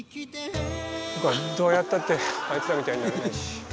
僕はどうやったってアイツらみたいになれないし。